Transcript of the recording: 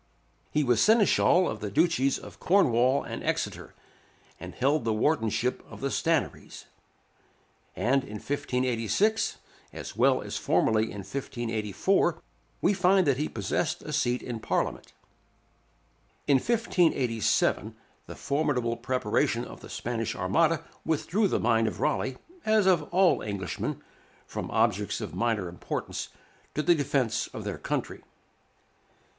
He was Seneschal of the Duchies of Cornwall and Exeter, and held the wardenship of the Stannaries; and in 1586, as well as formerly in 1584, we find that he possessed a seat in Parliament. In 1587, the formidable preparation of the Spanish Armada withdrew the mind of Raleigh, as of all Englishmen, from objects of minor importance, to the defence of their country.